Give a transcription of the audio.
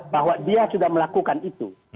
bahwa dia sudah melakukan itu